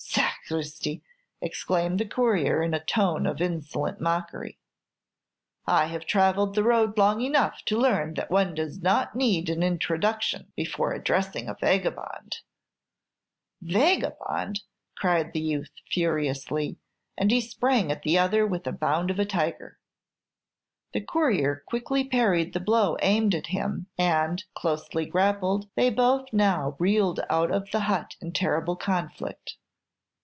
"Sacristi!" exclaimed the courier, in a tone of insolent mockery, "I have travelled the road long enough to learn that one does not need an introduction before addressing a vagabond." [Illustration: 402] "Vagabond!" cried the youth, furiously; and he sprang at the other with the bound of a tiger. The courier quickly parried the blow aimed at him, and, closely grappled, they both now reeled out of the hut in terrible conflict.